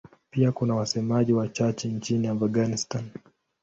Pia kuna wasemaji wachache nchini Afghanistan.